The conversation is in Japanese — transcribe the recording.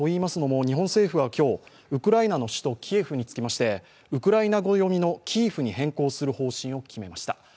日本政府は今日、ウクライナの首都キエフにつきましてウクライナ語読みのキーウに変更する方針を決めました。